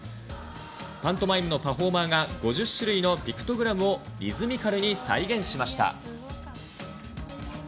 パントマイムのパフォーマーが、５０種類のピクトグラムをリズミカルに再現しました。